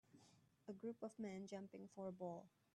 A group of men jumping for a ball